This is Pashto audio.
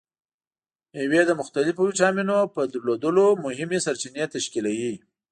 مېوې د مختلفو ویټامینونو په لرلو مهمې سرچینې تشکیلوي.